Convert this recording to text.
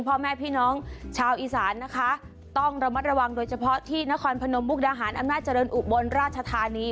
พ่อแม่พี่น้องชาวอีสานนะคะต้องระมัดระวังโดยเฉพาะที่นครพนมมุกดาหารอำนาจเจริญอุบลราชธานี